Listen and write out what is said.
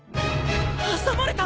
挟まれた！